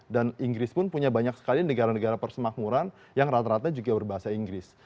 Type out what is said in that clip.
dan inggris pun punya banyak sekali negara negara persemakmuran yang rata rata juga berbahasa inggris